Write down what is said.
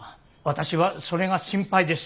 私はそれが心配です。